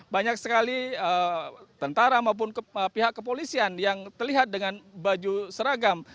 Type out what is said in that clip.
banyak sekali tentara maupun pihak kepolisian yang terlihat dengan baju seragam